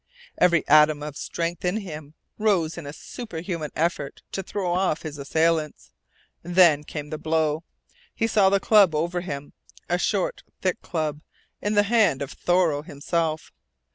Every atom of strength in him rose in a superhuman effort to throw off his assailants. Then came the blow. He saw the club over him, a short, thick club, in the hand of Thoreau himself.